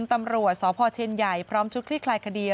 ตำรวจสพเชียนใหญ่พร้อมชุดคลี่คลายคดี